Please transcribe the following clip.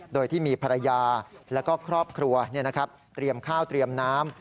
โดยที่มีภรรยาแล้วก็ครอบครัวเตรียมข้าวเตรียมน้ำ